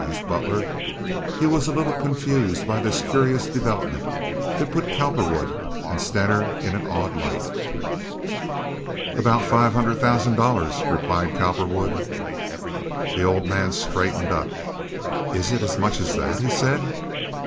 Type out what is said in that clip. asked Butler. He was a little confused by this curious development. It put Cowperwood and Stener in an odd light. "About five hundred thousand dollars," replied Cowperwood. The old man straightened up. "Is it as much as that?" he said.